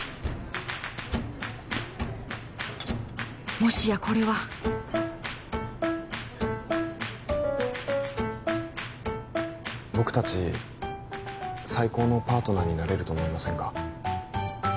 もしやこれは僕達最高のパートナーになれると思いませんか？